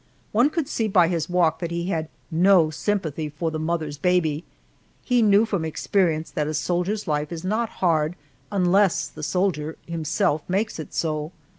One could see by his walk that he had no sympathy for the mother's baby. He knew from experience that a soldier's life is not hard unless the soldier himself makes it so.